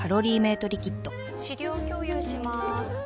・資料共有しまーす